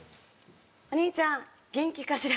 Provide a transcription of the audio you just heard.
お兄ちゃん元気かしら？